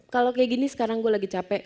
kalau kayak gini sekarang gue lagi capek